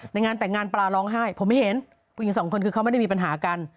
งานแต่งงานปลาร้องไห้ผมไม่เห็นผู้หญิงสองคนคือเขาไม่ได้มีปัญหากัน